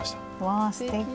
わあすてき！